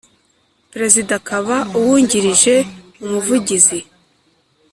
Perezida akaba uwungirije Umuvugizi